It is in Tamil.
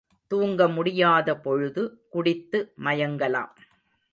தூங்கமுடியாத பொழுது குடித்து மயங்கலாம்.